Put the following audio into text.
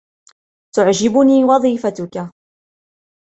تعجبني وظيفتك.